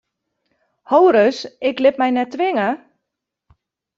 Ho ris, ik lit my net twinge!